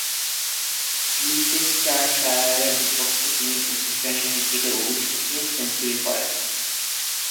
লিচেস্টারশায়ারের বিপক্ষে তিনি প্রথম-শ্রেণীর ক্রিকেটে অভিষেকে সেঞ্চুরি করেন।